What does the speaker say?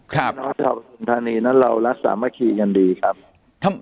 พี่น้องชาวประทุมธานีนั้นเรารักสามัคคีกันดีครับ